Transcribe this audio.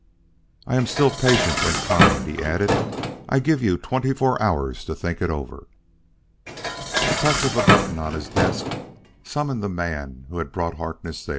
"I am still patient, and kind," he added. "I give you twenty four hours to think it over." A touch of a button on his desk summoned the man who had brought Harkness there.